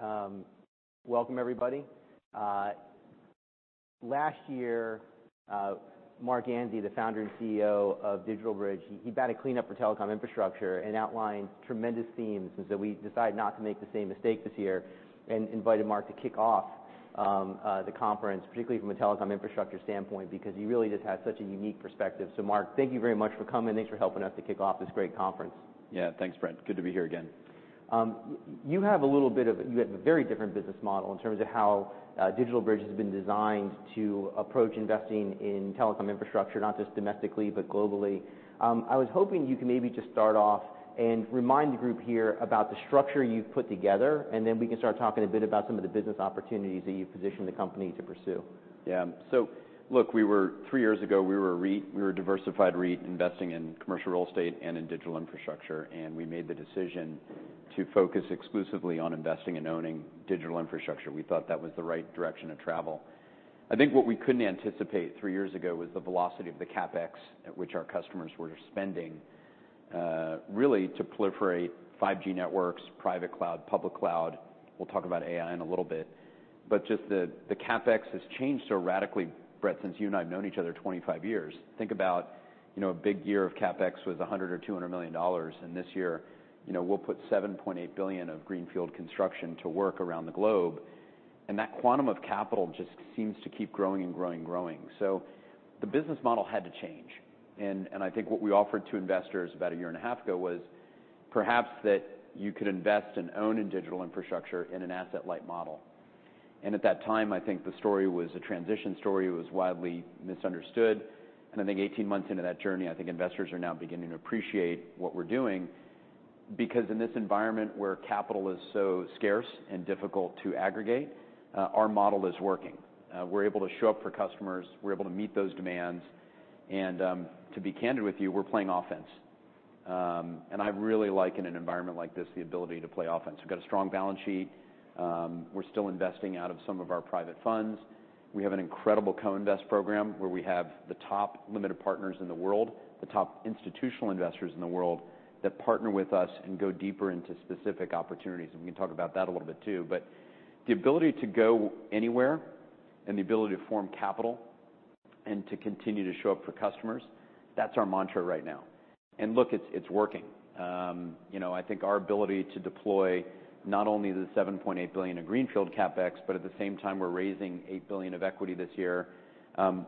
All right. Welcome, everybody. Last year, Marc Ganzi, the Founder and CEO of DigitalBridge, he had a keynote for telecom infrastructure and outlined tremendous themes, and so we decided not to make the same mistake this year and invited Marc to kick off the conference, particularly from a telecom infrastructure standpoint, because he really just has such a unique perspective. So Marc, thank you very much for coming. Thanks for helping us to kick off this great conference. Yeah, thanks, Brett. Good to be here again. You have a very different business model in terms of how DigitalBridge has been designed to approach investing in telecom infrastructure, not just domestically, but globally. I was hoping you could maybe just start off and remind the group here about the structure you've put together, and then we can start talking a bit about some of the business opportunities that you've positioned the company to pursue. Yeah. So look, we were three years ago, we were a REIT. We were a diversified REIT, investing in commercial real estate and in digital infrastructure, and we made the decision to focus exclusively on investing and owning digital infrastructure. We thought that was the right direction to travel. I think what we couldn't anticipate three years ago was the velocity of the CapEx at which our customers were spending really to proliferate 5G networks, private cloud, public cloud. We'll talk about AI in a little bit, but just the CapEx has changed so radically, Brett, since you and I have known each other 25 years. Think about, you know, a big year of CapEx was $100 million or $200 million, and this year, you know, we'll put $7.8 billion of greenfield construction to work around the globe, and that quantum of capital just seems to keep growing and growing, growing. So the business model had to change, and I think what we offered to investors about a year and a half ago was perhaps that you could invest and own in digital infrastructure in an asset-light model. And at that time, I think the story was a transition story. It was widely misunderstood, and I think 18 months into that journey, I think investors are now beginning to appreciate what we're doing. Because in this environment, where capital is so scarce and difficult to aggregate, our model is working. We're able to show up for customers. We're able to meet those demands, and to be candid with you, we're playing offense. And I really like, in an environment like this, the ability to play offense. We've got a strong balance sheet. We're still investing out of some of our private funds. We have an incredible co-invest program, where we have the top limited partners in the world, the top institutional investors in the world, that partner with us and go deeper into specific opportunities, and we can talk about that a little bit, too. But the ability to go anywhere and the ability to form capital and to continue to show up for customers, that's our mantra right now. And look, it's, it's working. You know, I think our ability to deploy not only the $7.8 billion in greenfield CapEx, but at the same time, we're raising $8 billion of equity this year.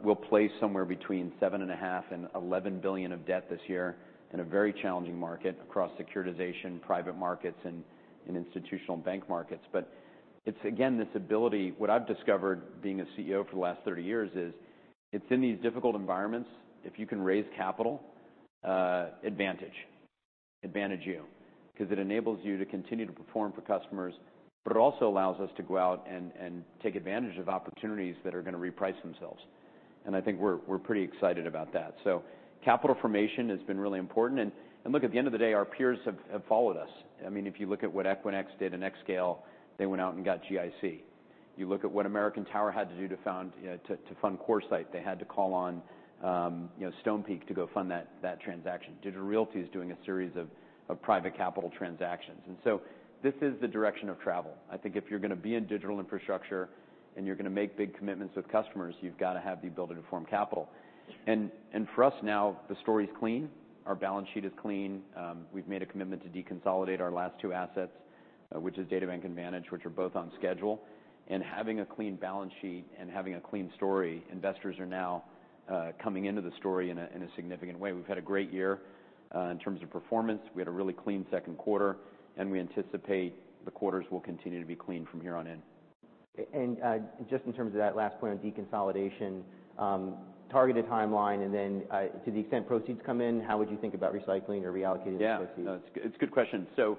We'll place somewhere between $7.5 billion and $11 billion of debt this year in a very challenging market across securitization, private markets, and institutional bank markets. But it's again, this ability... What I've discovered, being a CEO for the last 30 years, is it's in these difficult environments, if you can raise capital, advantage. Advantage you, 'cause it enables you to continue to perform for customers, but it also allows us to go out and take advantage of opportunities that are gonna reprice themselves, and I think we're pretty excited about that. So capital formation has been really important, and look, at the end of the day, our peers have followed us. I mean, if you look at what Equinix did in xScale, they went out and got GIC. You look at what American Tower had to do to fund CoreSite. They had to call on, you know, Stonepeak to go fund that transaction. Digital Realty is doing a series of private capital transactions, and so this is the direction of travel. I think if you're gonna be in digital infrastructure, and you're gonna make big commitments with customers, you've got to have the ability to form capital. And for us now, the story's clean. Our balance sheet is clean. We've made a commitment to deconsolidate our last two assets, which is DataBank and Vantage, which are both on schedule. Having a clean balance sheet and having a clean story, investors are now, coming into the story in a, in a significant way. We've had a great year, in terms of performance. We had a really clean second quarter, and we anticipate the quarters will continue to be clean from here on in. Just in terms of that last point on deconsolidation, targeted timeline, and then, to the extent proceeds come in, how would you think about recycling or reallocating the proceeds? Yeah. No, it's, it's a good question. So,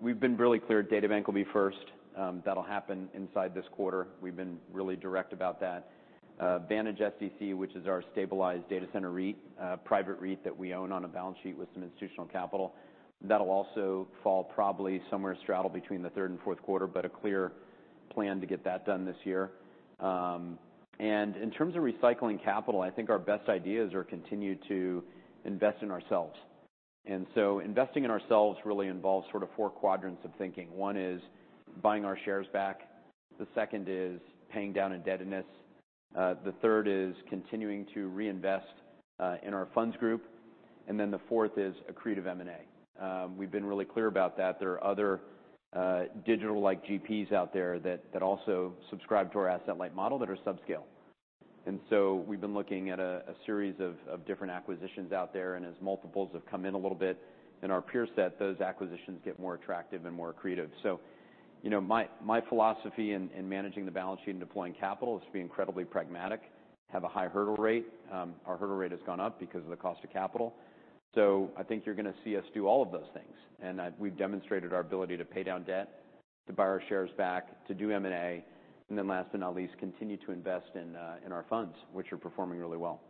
we've been really clear, DataBank will be first. That'll happen inside this quarter. We've been really direct about that. Vantage SDC, which is our stabilized data center REIT, private REIT that we own on a balance sheet with some institutional capital, that'll also fall probably somewhere straddled between the third and fourth quarter, but a clear plan to get that done this year. And in terms of recycling capital, I think our best ideas are continue to invest in ourselves. And so investing in ourselves really involves sort of four quadrants of thinking. One is buying our shares back, the second is paying down indebtedness, the third is continuing to reinvest, in our funds group, and then the fourth is accretive M&A. We've been really clear about that. There are other digital-like GPs out there that also subscribe to our asset-light model that are subscale. And so we've been looking at a series of different acquisitions out there, and as multiples have come in a little bit in our peer set, those acquisitions get more attractive and more accretive. So, you know, my philosophy in managing the balance sheet and deploying capital is to be incredibly pragmatic, have a high hurdle rate. Our hurdle rate has gone up because of the cost of capital. So I think you're gonna see us do all of those things, and we've demonstrated our ability to pay down debt, to buy our shares back, to do M&A, and then last but not least, continue to invest in our funds, which are performing really well.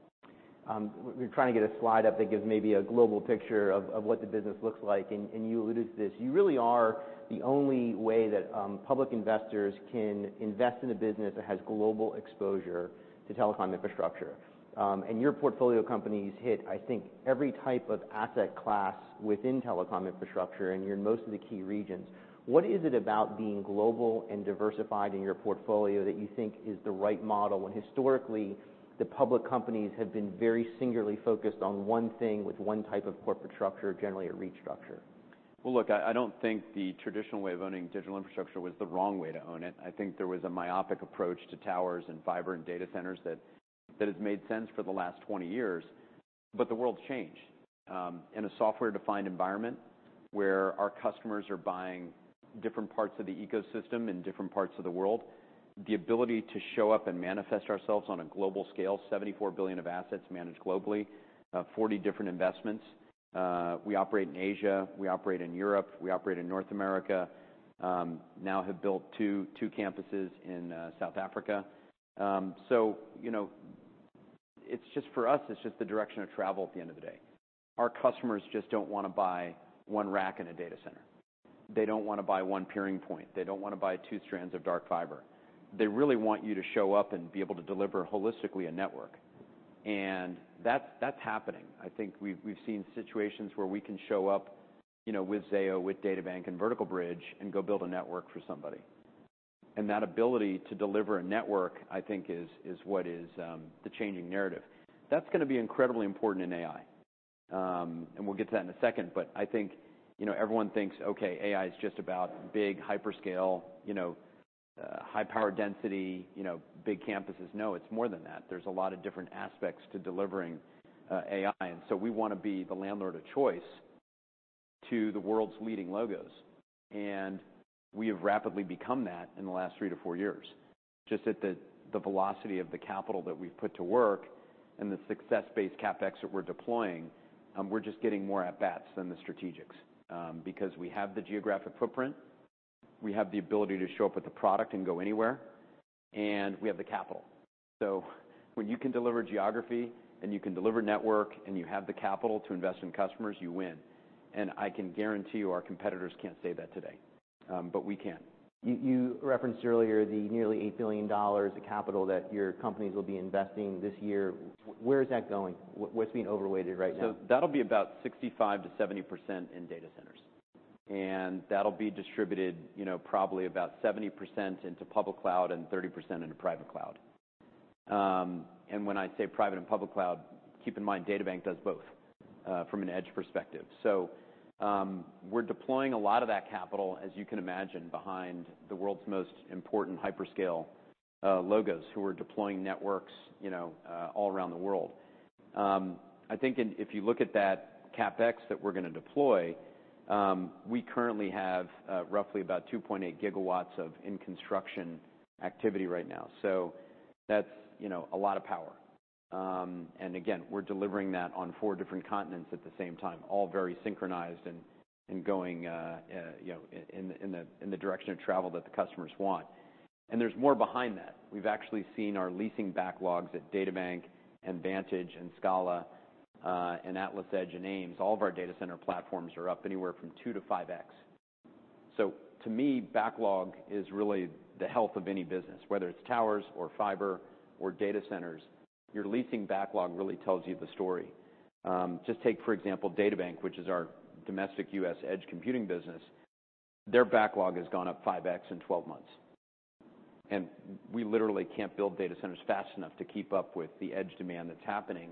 We're trying to get a slide up that gives maybe a global picture of what the business looks like, and you alluded to this: you really are the only way that public investors can invest in a business that has global exposure to telecom infrastructure. And your portfolio companies hit, I think, every type of asset class within telecom infrastructure, and you're in most of the key regions. What is it about being global and diversified in your portfolio that you think is the right model, when historically, the public companies have been very singularly focused on one thing with one type of corporate structure, generally a REIT structure? Well, look, I don't think the traditional way of owning digital infrastructure was the wrong way to own it. I think there was a myopic approach to towers and fiber and data centers that has made sense for the last 20 years, but the world's changed. In a software-defined environment, where our customers are buying different parts of the ecosystem in different parts of the world, the ability to show up and manifest ourselves on a global scale, $74 billion of assets managed globally, 40 different investments. We operate in Asia, we operate in Europe, we operate in North America, now have built two campuses in South Africa. So, you know, it's just for us, it's just the direction of travel at the end of the day. Our customers just don't wanna buy one rack in a data center. They don't wanna buy one peering point. They don't wanna buy two strands of dark fiber. They really want you to show up and be able to deliver holistically, a network. And that's, that's happening. I think we've, we've seen situations where we can show up, you know, with Zayo, with DataBank, and Vertical Bridge, and go build a network for somebody. And that ability to deliver a network, I think, is, is what is the changing narrative. That's gonna be incredibly important in AI, and we'll get to that in a second, but I think, you know, everyone thinks, okay, AI is just about big hyperscale, you know, high power density, you know, big campuses. No, it's more than that. There's a lot of different aspects to delivering AI, and so we wanna be the landlord of choice to the world's leading logos. We have rapidly become that in the last three to four years. Just at the velocity of the capital that we've put to work and the success-based CapEx that we're deploying, we're just getting more at bats than the strategics. Because we have the geographic footprint, we have the ability to show up with a product and go anywhere, and we have the capital. So when you can deliver geography, and you can deliver network, and you have the capital to invest in customers, you win. And I can guarantee you, our competitors can't say that today, but we can. You referenced earlier the nearly $8 billion of capital that your companies will be investing this year. Where is that going? What’s being overweighted right now? So that'll be about 65%-70% in data centers, and that'll be distributed, you know, probably about 70% into public cloud and 30% into private cloud. And when I say private and public cloud, keep in mind, DataBank does both, from an edge perspective. So, we're deploying a lot of that capital, as you can imagine, behind the world's most important hyperscale, logos, who are deploying networks, you know, all around the world. I think if you look at that CapEx that we're gonna deploy, we currently have, roughly about 2.8 GW of in-construction activity right now, so that's, you know, a lot of power. And again, we're delivering that on four different continents at the same time, all very synchronized and going, you know, in the direction of travel that the customers want. And there's more behind that. We've actually seen our leasing backlogs at DataBank and Vantage and Scala and AtlasEdge and AIMS. All of our data center platforms are up anywhere from 2x-5x. So to me, backlog is really the health of any business, whether it's towers or fiber or data centers, your leasing backlog really tells you the story. Just take, for example, DataBank, which is our domestic U.S. edge computing business. Their backlog has gone up 5x in 12 months, and we literally can't build data centers fast enough to keep up with the edge demand that's happening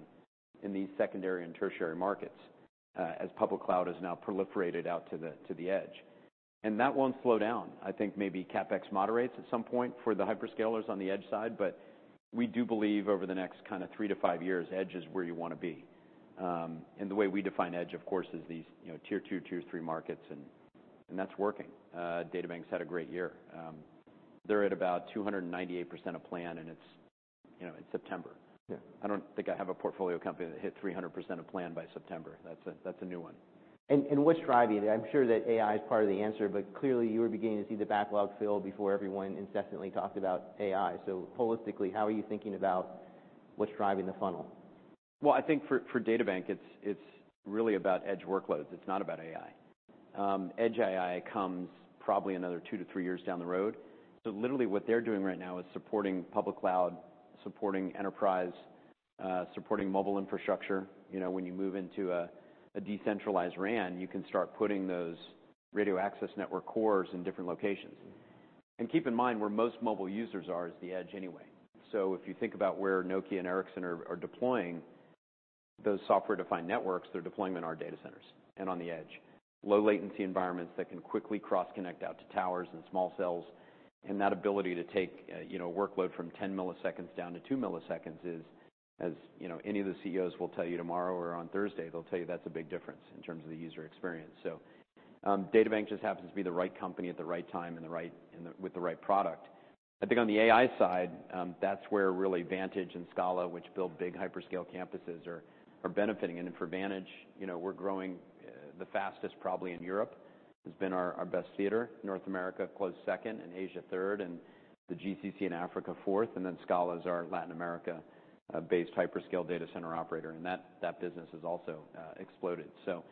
in these secondary and tertiary markets, as public cloud is now proliferated out to the edge. And that won't slow down. I think maybe CapEx moderates at some point for the hyperscalers on the edge side, but we do believe over the next kinda three to five years, edge is where you wanna be. And the way we define edge, of course, is these, you know, tier two, tier three markets, and that's working. DataBank's had a great year. They're at about 298% of plan, and it's, you know, it's September. Yeah. I don't think I have a portfolio company that hit 300% of plan by September. That's a, that's a new one. What's driving it? I'm sure that AI is part of the answer, but clearly, you were beginning to see the backlog fill before everyone incessantly talked about AI. So holistically, how are you thinking about what's driving the funnel? Well, I think for DataBank, it's really about edge workloads. It's not about AI. Edge AI comes probably another two to three years down the road. So literally, what they're doing right now is supporting public cloud, supporting enterprise, supporting mobile infrastructure. You know, when you move into a decentralized RAN, you can start putting those radio access network cores in different locations. And keep in mind, where most mobile users are is the edge anyway. So if you think about where Nokia and Ericsson are deploying those software-defined networks, they're deploying in our data centers and on the edge. Low latency environments that can quickly cross-connect out to towers and small cells, and that ability to take, you know, workload from 10 milliseconds down to two milliseconds is, as, you know, any of the CEOs will tell you tomorrow or on Thursday, they'll tell you that's a big difference in terms of the user experience. So, DataBank just happens to be the right company at the right time, and the right—and the, with the right product. I think on the AI side, that's where really Vantage and Scala, which build big hyperscale campuses, are benefiting. And for Vantage, you know, we're growing the fastest, probably in Europe, has been our best theater. North America, close second, and Asia, third, and the GCC and Africa, fourth, and then Scala is our Latin America based hyperscale data center operator, and that business has also exploded. So,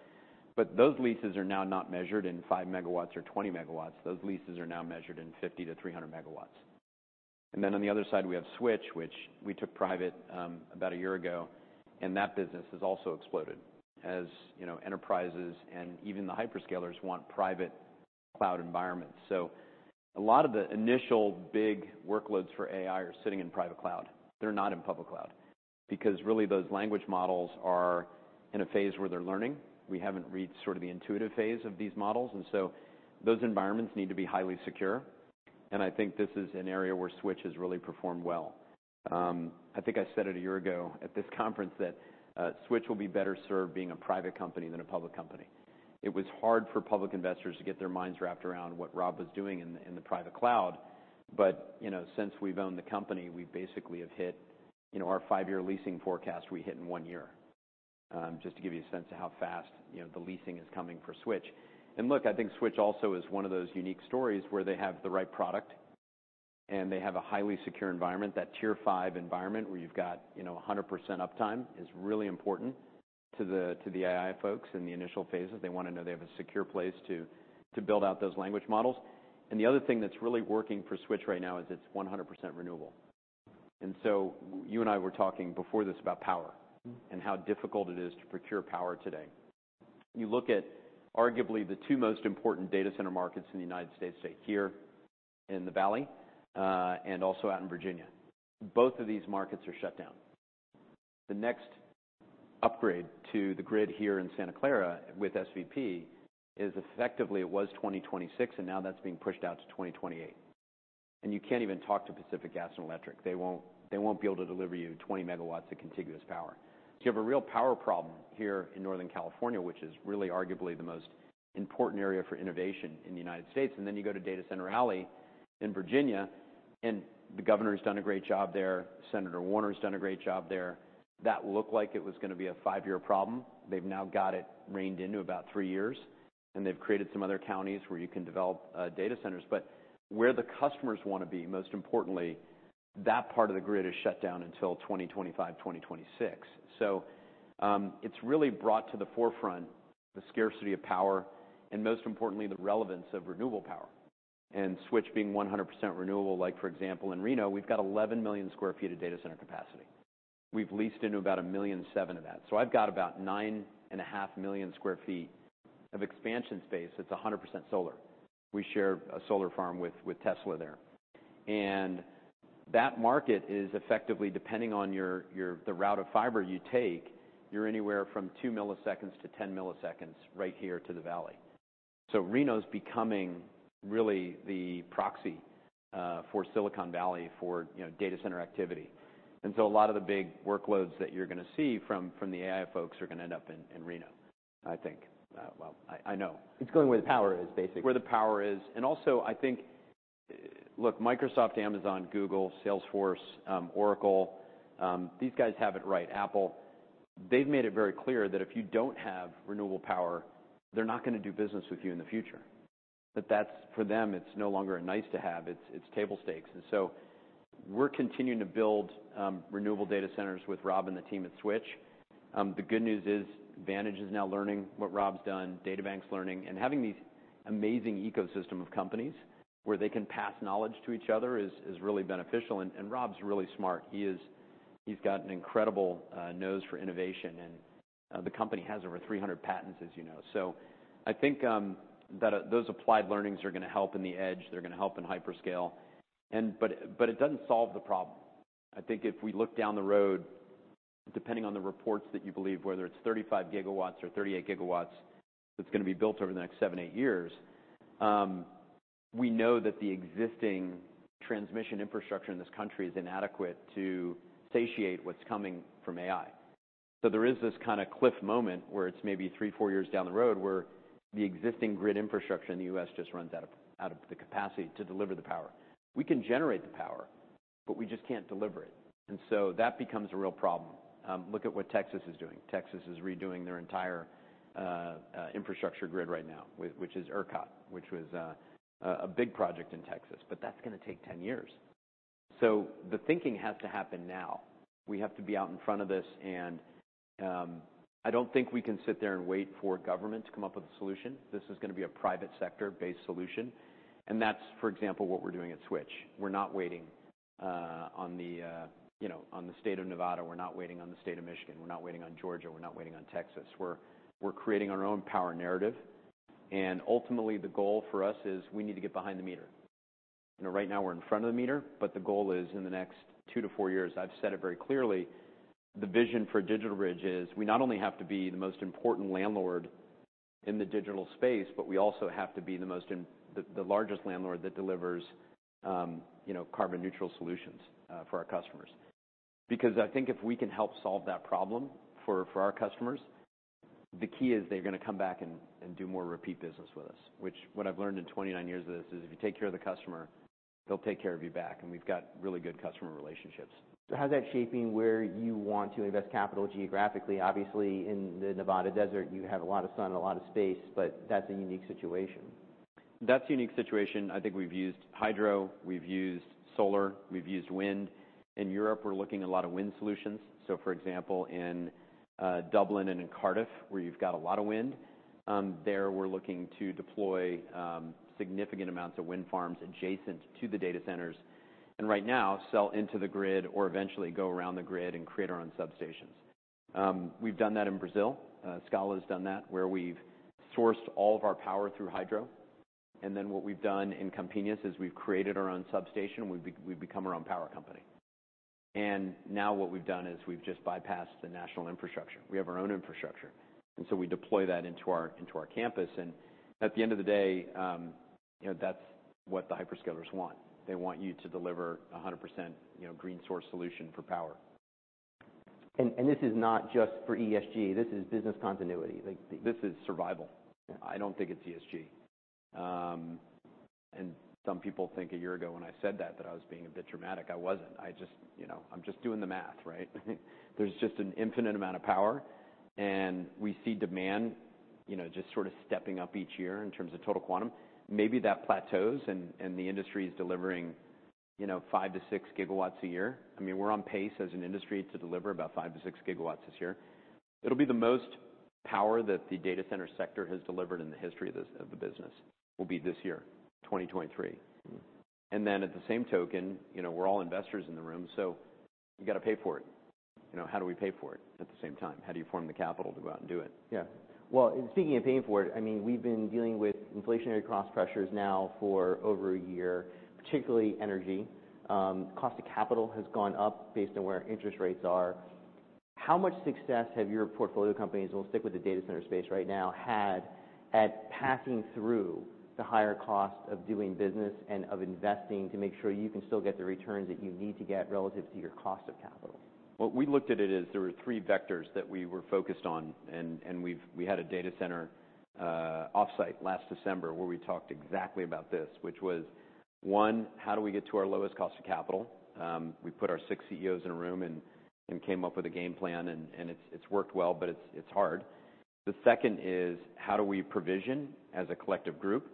but those leases are now not measured in 5 MW or 20 MW. Those leases are now measured in 50 MW-300 MW. And then on the other side, we have Switch, which we took private about a year ago, and that business has also exploded, as you know, enterprises and even the hyperscalers want private cloud environments. So a lot of the initial big workloads for AI are sitting in private cloud. They're not in public cloud, because really, those language models are in a phase where they're learning. We haven't reached sort of the intuitive phase of these models, and so those environments need to be highly secure, and I think this is an area where Switch has really performed well. I think I said it a year ago at this conference, that Switch will be better served being a private company than a public company. It was hard for public investors to get their minds wrapped around what Rob was doing in the, in the private cloud, but, you know, since we've owned the company, we basically have hit, you know, our five-year leasing forecast, we hit in one year. Just to give you a sense of how fast, you know, the leasing is coming for Switch. And look, I think Switch also is one of those unique stories where they have the right product, and they have a highly secure environment. That Tier 5 environment, where you've got, you know, 100% uptime, is really important to the, to the AI folks in the initial phases. They want to know they have a secure place to, to build out those language models. And the other thing that's really working for Switch right now is it's 100% renewable. And so you and I were talking before this about power and how difficult it is to procure power today. You look at arguably the two most important data center markets in the United States, say, here in the Valley, and also out in Virginia. Both of these markets are shut down. The next upgrade to the grid here in Santa Clara with SVP is effectively, it was 2026, and now that's being pushed out to 2028. And you can't even talk to Pacific Gas and Electric. They won't, they won't be able to deliver you 20 MW of contiguous power. So you have a real power problem here in Northern California, which is really arguably the most important area for innovation in the United States. Then you go to Data Center Alley in Virginia, and the governor has done a great job there. Senator Warner's done a great job there. That looked like it was gonna be a five-year problem. They've now got it reined into about three years, and they've created some other counties where you can develop data centers, but where the customers want to be, most importantly, that part of the grid is shut down until 2025, 2026. So, it's really brought to the forefront the scarcity of power, and most importantly, the relevance of renewable power, and Switch being 100% renewable. Like, for example, in Reno, we've got 11 million sq ft of data center capacity. We've leased into about 1.7 million sq ft of that. So I've got about 9.5 million sq ft of expansion space that's 100% solar. We share a solar farm with, with Tesla there. And that market is effectively, depending on your, your, the route of fiber you take, you're anywhere from two milliseconds to 10 milliseconds right here to the valley. So Reno's becoming really the proxy for Silicon Valley for, you know, data center activity. And so a lot of the big workloads that you're gonna see from, from the AI folks are gonna end up in, in Reno, I think. Well, I, I know. It's going where the power is, basically. Look, Microsoft, Amazon, Google, Salesforce, Oracle, these guys have it right. Apple. They've made it very clear that if you don't have renewable power, they're not gonna do business with you in the future. But that's, for them, it's no longer a nice-to-have, it's table stakes. And so we're continuing to build renewable data centers with Rob and the team at Switch. The good news is, Vantage is now learning what Rob's done, DataBank's learning, and having these amazing ecosystem of companies where they can pass knowledge to each other is really beneficial. And Rob's really smart. He's got an incredible nose for innovation, and the company has over 300 patents, as you know. So I think that those applied learnings are gonna help in the edge, they're gonna help in hyperscale. It doesn't solve the problem. I think if we look down the road, depending on the reports that you believe, whether it's 35 GW or 38 GW that's gonna be built over the next seven to eight years, we know that the existing transmission infrastructure in this country is inadequate to satiate what's coming from AI. So there is this kind of cliff moment, where it's maybe three to four years down the road, where the existing grid infrastructure in the U.S. just runs out of the capacity to deliver the power. We can generate the power, but we just can't deliver it, and so that becomes a real problem. Look at what Texas is doing. Texas is redoing their entire infrastructure grid right now, which is ERCOT, which was a big project in Texas, but that's gonna take 10 years. So the thinking has to happen now. We have to be out in front of this, and I don't think we can sit there and wait for government to come up with a solution. This is gonna be a private sector-based solution, and that's, for example, what we're doing at Switch. We're not waiting, you know, on the state of Nevada, we're not waiting on the state of Michigan, we're not waiting on Georgia, we're not waiting on Texas. We're creating our own power narrative, and ultimately, the goal for us is we need to get behind the meter. You know, right now we're in front of the meter, but the goal is, in the next two to four years, I've said it very clearly, the vision for DigitalBridge is, we not only have to be the most important landlord in the digital space, but we also have to be the largest landlord that delivers, you know, carbon neutral solutions for our customers. Because I think if we can help solve that problem for our customers, the key is they're gonna come back and do more repeat business with us, which what I've learned in 29 years of this is, if you take care of the customer, they'll take care of you back, and we've got really good customer relationships. So how's that shaping where you want to invest capital geographically? Obviously, in the Nevada desert, you have a lot of sun and a lot of space, but that's a unique situation. That's a unique situation. I think we've used hydro, we've used solar, we've used wind. In Europe, we're looking at a lot of wind solutions. So for example, in Dublin and in Cardiff, where you've got a lot of wind, there, we're looking to deploy significant amounts of wind farms adjacent to the data centers, and right now, sell into the grid or eventually go around the grid and create our own substations. We've done that in Brazil. Scala has done that, where we've sourced all of our power through hydro, and then what we've done in Campinas is we've created our own substation, and we've become our own power company. And now what we've done is we've just bypassed the national infrastructure. We have our own infrastructure, and so we deploy that into our, into our campus, and at the end of the day, you know, that's what the hyperscalers want. They want you to deliver 100%, you know, green source solution for power. And this is not just for ESG, this is business continuity, like this is survival. I don't think it's ESG. And some people think a year ago when I said that, that I was being a bit dramatic. You know, I'm just doing the math, right? There's just an infinite amount of power, and we see demand, you know, just sort of stepping up each year in terms of total quantum. Maybe that plateaus and the industry is delivering, you know, 5 GW-6 GW a year. I mean, we're on pace as an industry to deliver about 5 GW-6 GW this year. It'll be the most power that the data center sector has delivered in the history of this business, will be this year, 2023. And then at the same token, you know, we're all investors in the room, so you got to pay for it. You know, how do we pay for it at the same time? How do you form the capital to go out and do it? Yeah. Well, and speaking of paying for it, I mean, we've been dealing with inflationary cost pressures now for over a year, particularly energy. Cost of capital has gone up based on where interest rates are. How much success have your portfolio companies, we'll stick with the data center space right now, had at passing through the higher cost of doing business and of investing, to make sure you can still get the returns that you need to get relative to your cost of capital? What we looked at it is, there were three vectors that we were focused on, and we had a data center offsite last December, where we talked exactly about this, which was, one, how do we get to our lowest cost of capital? We put our six CEOs in a room and came up with a game plan, and it's worked well, but it's hard. The second is, how do we provision as a collective group?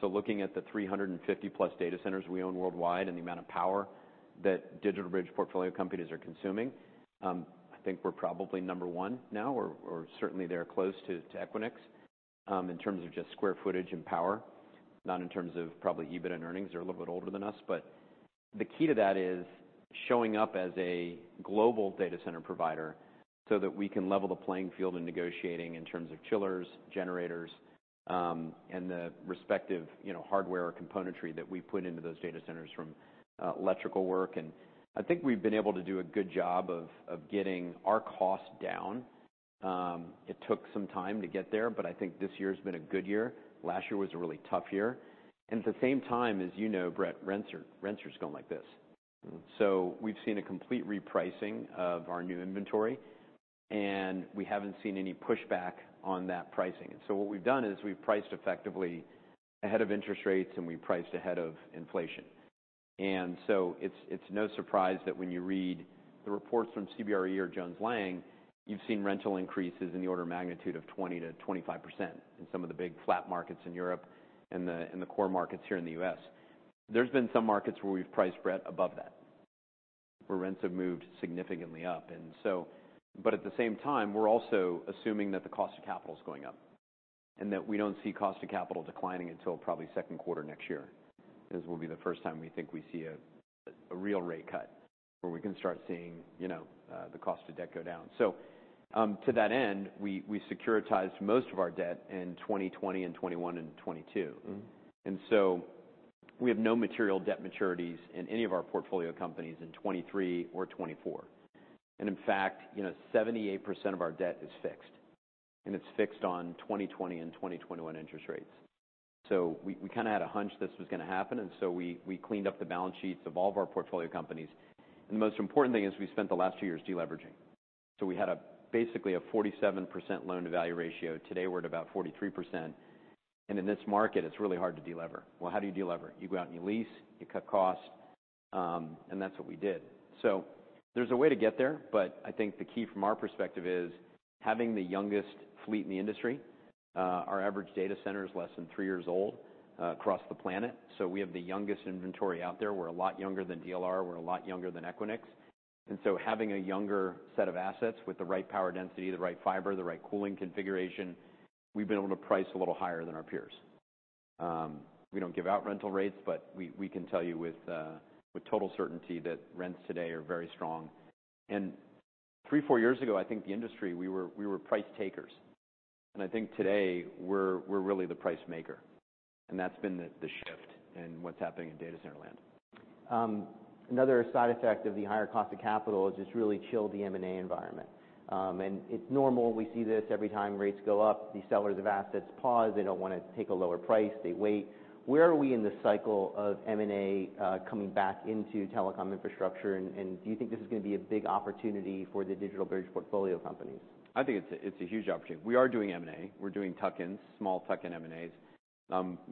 So looking at the 350+ data centers we own worldwide, and the amount of power that DigitalBridge portfolio companies are consuming, I think we're probably number one now, or certainly they're close to Equinix, in terms of just square footage and power, not in terms of probably EBITDA and earnings. They're a little bit older than us. But the key to that is showing up as a global data center provider so that we can level the playing field in negotiating in terms of chillers, generators, and the respective, you know, hardware or componentry that we put into those data centers from electrical work. And I think we've been able to do a good job of getting our costs down. It took some time to get there, but I think this year's been a good year. Last year was a really tough year. And at the same time, as you know, Brett, rents are, rent's just going like this. So we've seen a complete repricing of our new inventory, and we haven't seen any pushback on that pricing. And so what we've done is we've priced effectively ahead of interest rates, and we've priced ahead of inflation. And so it's, it's no surprise that when you read the reports from CBRE or Jones Lang, you've seen rental increases in the order of magnitude of 20%-25% in some of the big flat markets in Europe and the, and the core markets here in the U.S. There's been some markets where we've priced, Brett, above that, where rents have moved significantly up. But at the same time, we're also assuming that the cost of capital is going up, and that we don't see cost of capital declining until probably second quarter next year, will be the first time we think we see a real rate cut, where we can start seeing, you know, the cost of debt go down. So, to that end, we securitized most of our debt in 2020 and 2021 and 2022. And so we have no material debt maturities in any of our portfolio companies in 2023 or 2024. And in fact, you know, 78% of our debt is fixed, and it's fixed on 2020 and 2021 interest rates. So we, we kinda had a hunch this was gonna happen, and so we, we cleaned up the balance sheets of all of our portfolio companies. And the most important thing is we spent the last two years deleveraging, so we had a basically a 47% loan-to-value ratio. Today, we're at about 43%, and in this market, it's really hard to delever. Well, how do you delever? You go out and you lease, you cut costs, and that's what we did. So there's a way to get there, but I think the key from our perspective is having the youngest fleet in the industry. Our average data center is less than three years old, across the planet, so we have the youngest inventory out there. We're a lot younger than DLR, we're a lot younger than Equinix, and so having a younger set of assets with the right power density, the right fiber, the right cooling configuration, we've been able to price a little higher than our peers. We don't give out rental rates, but we, we can tell you with, with total certainty that rents today are very strong. And three, four years ago, I think the industry, we were, we were price takers, and I think today we're, we're really the price maker, and that's been the, the shift in what's happening in data center land. Another side effect of the higher cost of capital is just really chilled the M&A environment. And it's normal. We see this every time rates go up. The sellers of assets pause. They don't wanna take a lower price. They wait. Where are we in the cycle of M&A coming back into telecom infrastructure, and do you think this is gonna be a big opportunity for the DigitalBridge portfolio companies? I think it's a, it's a huge opportunity. We are doing M&A. We're doing tuck-ins, small tuck-in M&As.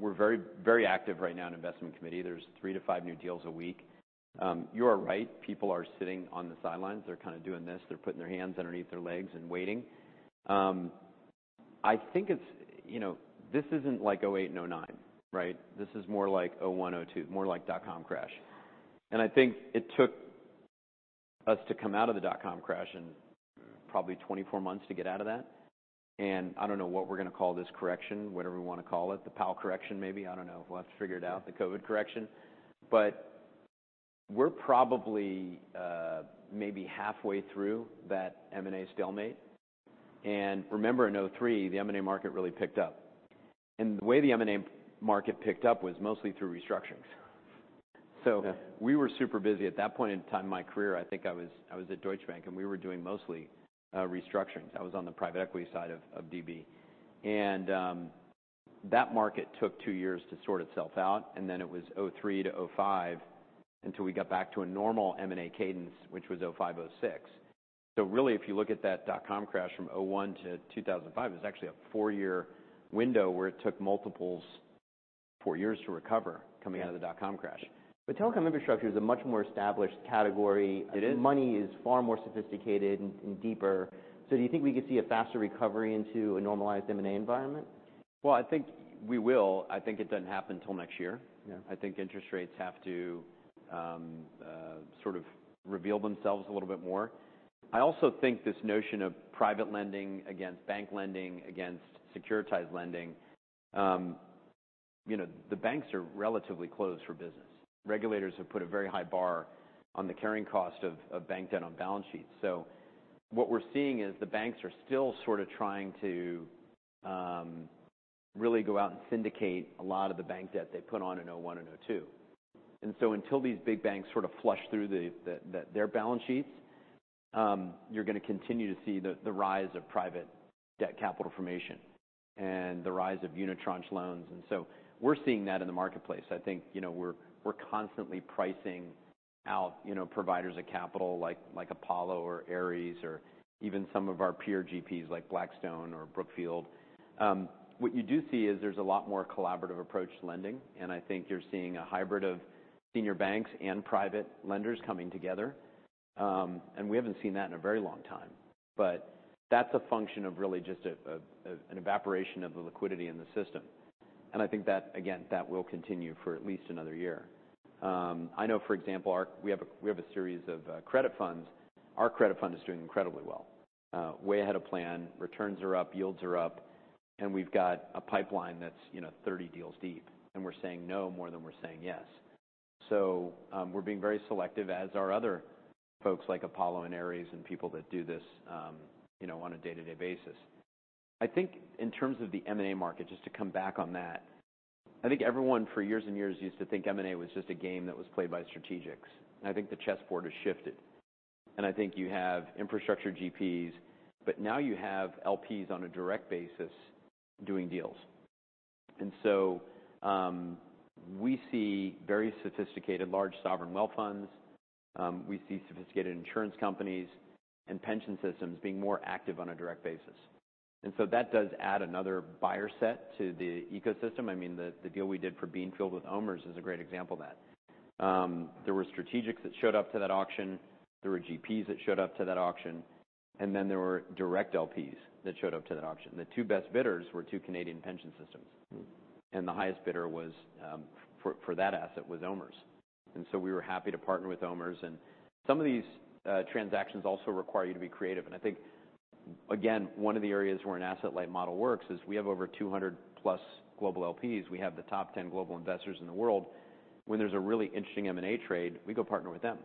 We're very, very active right now in investment committee. There's three to five new deals a week. You are right, people are sitting on the sidelines. They're kind of doing this. They're putting their hands underneath their legs and waiting. I think it's, you know, this isn't like 2008, 2009, right? This is more like 2001, 2002, more like dot-com crash. And I think it took us to come out of the dot-com crash in probably 24 months to get out of that. And I don't know what we're gonna call this correction, whatever we wanna call it, the Powell correction, maybe. I don't know. We'll have to figure it out. The COVID correction? But we're probably maybe halfway through that M&A stalemate. Remember, in 2003, the M&A market really picked up, and the way the M&A market picked up was mostly through restructurings. Yeah. So we were super busy at that point in time in my career. I think I was, I was at Deutsche Bank, and we were doing mostly, restructurings. I was on the private equity side of, of DB. That market took two years to sort itself out, and then it was 2003 to 2005 until we got back to a normal M&A cadence, which was 2005, 2006. So really, if you look at that dot-com crash from 2001 to 2005, it was actually a four-year window where it took multiples four years to recover coming out of the dot-com crash. But telecom infrastructure is a much more established category. It is. Money is far more sophisticated and deeper. So do you think we could see a faster recovery into a normalized M&A environment? Well, I think we will. I think it doesn't happen till next year. Yeah. I think interest rates have to sort of reveal themselves a little bit more. I also think this notion of private lending against bank lending, against securitized lending, you know, the banks are relatively closed for business. Regulators have put a very high bar on the carrying cost of bank debt on balance sheets. So what we're seeing is, the banks are still sort of trying to really go out and syndicate a lot of the bank debt they put on in 2001 and 2002. And so until these big banks sort of flush through their balance sheets, you're gonna continue to see the rise of private debt capital formation and the rise of unitranche loans. And so we're seeing that in the marketplace. I think, you know, we're constantly pricing out, you know, providers of capital, like Apollo or Ares or even some of our peer GPs like Blackstone or Brookfield. What you do see is there's a lot more collaborative approach to lending, and I think you're seeing a hybrid of senior banks and private lenders coming together. And we haven't seen that in a very long time. But that's a function of really just an evaporation of the liquidity in the system, and I think that, again, that will continue for at least another year. I know, for example, we have a series of credit funds. Our credit fund is doing incredibly well, way ahead of plan. Returns are up, yields are up, and we've got a pipeline that's, you know, 30 deals deep, and we're saying no more than we're saying yes. So, we're being very selective, as are other folks like Apollo and Ares and people that do this, you know, on a day-to-day basis. I think in terms of the M&A market, just to come back on that, I think everyone, for years and years, used to think M&A was just a game that was played by strategics, and I think the chessboard has shifted. And I think you have infrastructure GPs, but now you have LPs on a direct basis doing deals. And so, we see very sophisticated, large sovereign wealth funds. We see sophisticated insurance companies and pension systems being more active on a direct basis, and so that does add another buyer set to the ecosystem. I mean, the deal we did for Beanfield with OMERS is a great example of that. There were strategics that showed up to that auction, there were GPs that showed up to that auction, and then there were direct LPs that showed up to that auction. The two best bidders were two Canadian pension systems. The highest bidder for that asset was OMERS. We were happy to partner with OMERS. Some of these transactions also require you to be creative, and I think, again, one of the areas where an asset-light model works is we have over 200+ global LPs. We have the top 10 global investors in the world. When there's a really interesting M&A trade, we go partner with them,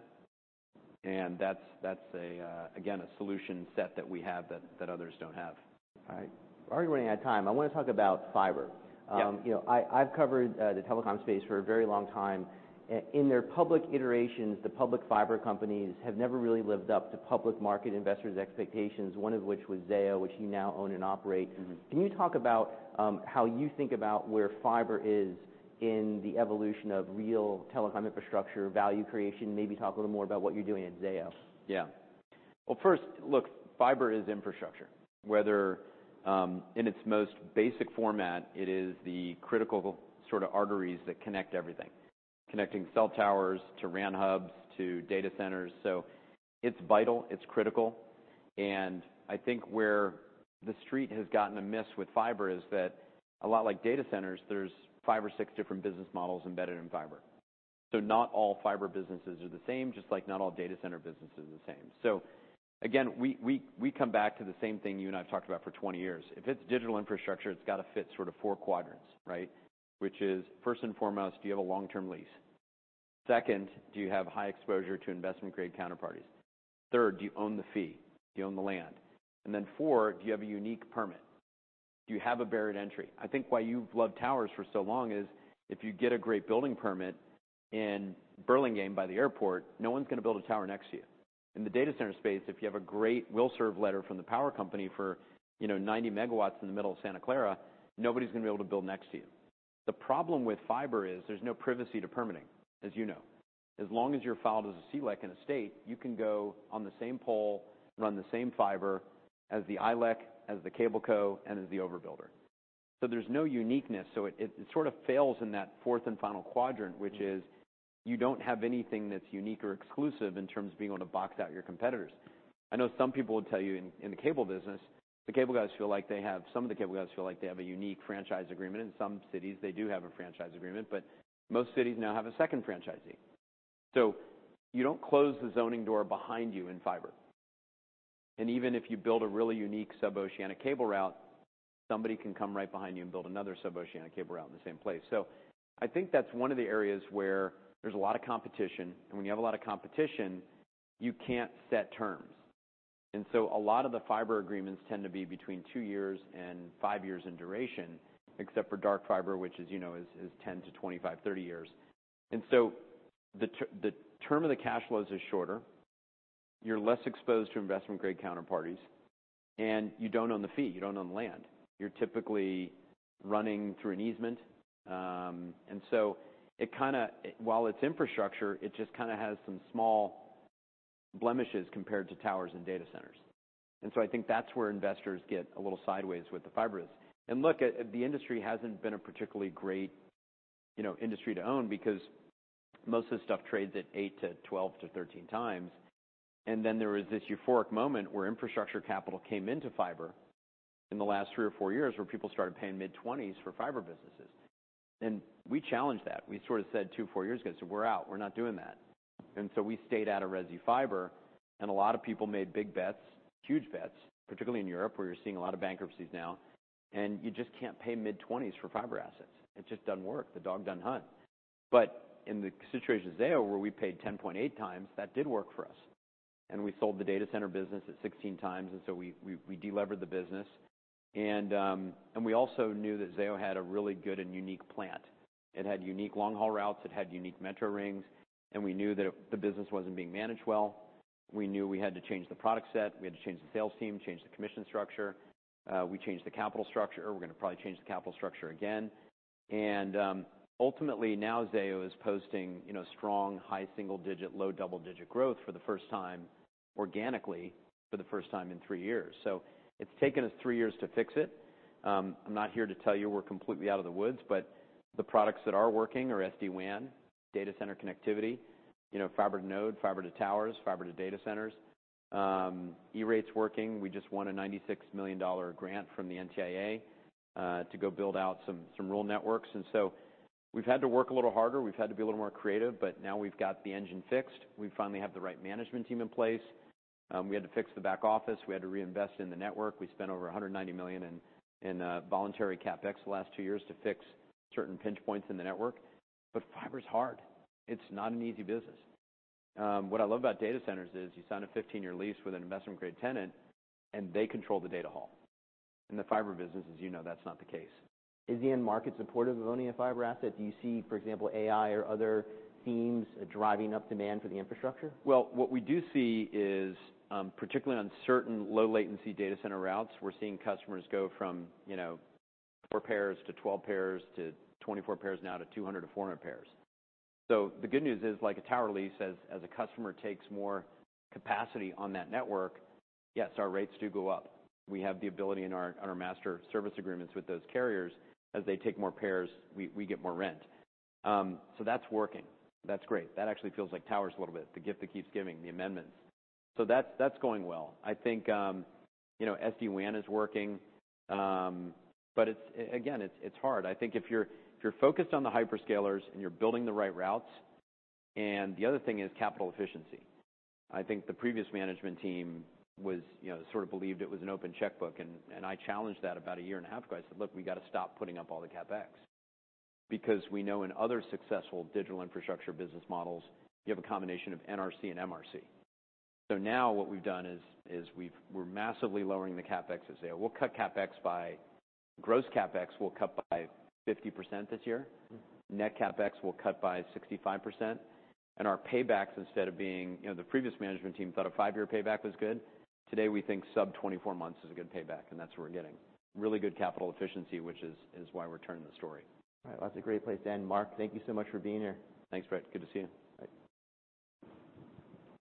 and that's again a solution set that we have that others don't have. All right. We're already running out of time. I wanna talk about fiber. Yeah. You know, I've covered the telecom space for a very long time. In their public iterations, the public fiber companies have never really lived up to public market investors' expectations, one of which was Zayo, which you now own and operate. Can you talk about how you think about where fiber is in the evolution of real telecom infrastructure, value creation? Maybe talk a little more about what you're doing at Zayo. Yeah. Well, first, look, fiber is infrastructure. Whether in its most basic format, it is the critical sort of arteries that connect everything, connecting cell towers to RAN hubs to data centers. So it's vital, it's critical, and I think where the street has gotten amiss with fiber is that a lot like data centers, there's five or six different business models embedded in fiber. So not all fiber businesses are the same, just like not all data center businesses are the same. So again, we come back to the same thing you and I have talked about for 20 years. If it's digital infrastructure, it's got to fit sort of four quadrants, right? Which is, first and foremost, do you have a long-term lease? Second, do you have high exposure to investment-grade counterparties? Third, do you own the fee? Do you own the land? And then four, do you have a unique permit? Do you have a barrier to entry? I think why you've loved towers for so long is, if you get a great building permit in Burlingame by the airport, no one's gonna build a tower next to you. In the data center space, if you have a great Will Serve Letter from the power company for, you know, 90 MW in the middle of Santa Clara, nobody's gonna be able to build next to you. The problem with fiber is, there's no privacy to permitting, as you know. As long as you're filed as a CLEC in a state, you can go on the same pole, run the same fiber as the ILEC, as the cable co, and as the overbuilder. So there's no uniqueness. So it sort of fails in that fourth and final quadrant, which is, you don't have anything that's unique or exclusive in terms of being able to box out your competitors. I know some people would tell you in the cable business, the cable guys feel like they have—some of the cable guys feel like they have a unique franchise agreement. In some cities, they do have a franchise agreement, but most cities now have a second franchisee. So you don't close the zoning door behind you in fiber. And even if you build a really unique sub-oceanic cable route, somebody can come right behind you and build another sub-oceanic cable route in the same place. So I think that's one of the areas where there's a lot of competition. And when you have a lot of competition, you can't set terms. A lot of the fiber agreements tend to be between two years and five years in duration, except for Dark Fiber, which as you know, is 10 to 25, 30 years. The term of the cash flows is shorter. You're less exposed to investment-grade counterparties, and you don't own the fee, you don't own the land. You're typically running through an easement. While it's infrastructure, it just kinda has some small blemishes compared to towers and data centers. And so I think that's where investors get a little sideways with the fiber risks. And look at the industry hasn't been a particularly great, you know, industry to own because most of the stuff trades at eight to 12 to 13 times. And then there was this euphoric moment where infrastructure capital came into fiber in the last three or four years, where people started paying mid-20s for fiber businesses. And we challenged that. We sort of said two to four years ago, so we're out, we're not doing that. And so we stayed out of resi fiber, and a lot of people made big bets, huge bets, particularly in Europe, where you're seeing a lot of bankruptcies now, and you just can't pay mid-20s for fiber assets. It just doesn't work. The dog done hunt. But in the situation with Zayo, where we paid 10.8x, that did work for us, and we sold the data center business at 16x. And so we, we, we delevered the business. And, and we also knew that Zayo had a really good and unique plant. It had unique long-haul routes. It had unique metro rings, and we knew that the business wasn't being managed well. We knew we had to change the product set. We had to change the sales team, change the commission structure. We changed the capital structure, or we're going to probably change the capital structure again. And, ultimately now Zayo is posting, you know, strong, high single-digit, low double-digit growth for the first time, organically, for the first time in three years. So it's taken us three years to fix it. I'm not here to tell you we're completely out of the woods, but the products that are working are SD-WAN, data center connectivity, you know, fiber to node, fiber to towers, fiber to data centers. E-rate's working. We just won a $96 million grant from the NTIA to go build out some rural networks. And so we've had to work a little harder. We've had to be a little more creative, but now we've got the engine fixed. We finally have the right management team in place. We had to fix the back office. We had to reinvest in the network. We spent over $190 million in voluntary CapEx the last two years to fix certain pinch points in the network. But fiber is hard. It's not an easy business. What I love about data centers is you sign a 15-year lease with an investment-grade tenant, and they control the data hall. In the fiber businesses, you know, that's not the case. Is the end market supportive of owning a fiber asset? Do you see, for example, AI or other themes driving up demand for the infrastructure? Well, what we do see is, particularly on certain low-latency data center routes, we're seeing customers go from, you know, four pairs to 12 pairs, to 24 pairs, now to 200-400 pairs. So the good news is, like a tower lease, as a customer takes more capacity on that network, yes, our rates do go up. We have the ability in our, on our master service agreements with those carriers, as they take more pairs, we get more rent. So that's working. That's great. That actually feels like towers a little bit. The gift that keeps giving, the amendments. So that's going well. I think, you know, SD-WAN is working. But it's again, it's hard. I think if you're, if you're focused on the hyperscalers and you're building the right routes. And the other thing is capital efficiency. I think the previous management team was, you know, sort of believed it was an open checkbook, and I challenged that about a year and a half ago. I said, "Look, we got to stop putting up all the CapEx," because we know in other successful digital infrastructure business models, you have a combination of NRC and MRC. So now what we've done is we've -- we're massively lowering the CapEx at Zayo. We'll cut CapEx by... Gross CapEx, we'll cut by 50% this year. Net CapEx, we'll cut by 65%. Our paybacks, instead of being, you know, the previous management team thought a five-year payback was good. Today, we think sub-24 months is a good payback, and that's what we're getting. Really good capital efficiency, which is why we're turning the story. All right. Well, that's a great place to end. Marc, thank you so much for being here. Thanks, Brett. Good to see you. Bye.